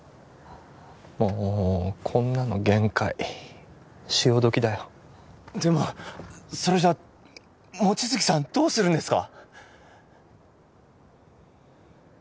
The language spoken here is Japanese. もうこんなの限界潮時だよでもそれじゃ望月さんどうするんですか！？